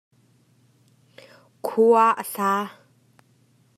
Khua a sa.